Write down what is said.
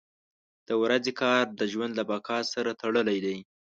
• د ورځې کار د ژوند له بقا سره تړلی دی.